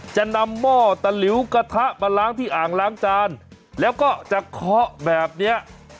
จะนำหม้อตะหลิวกระทะมาล้างที่อ่างล้างจานแล้วก็จะเคาะแบบเนี้ย